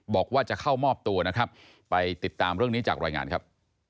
บอกว่าจะเข้ามอบตัวนะครับไปติดตามเรื่องนี้จากรายงานครับ